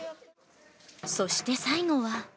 そして最後は。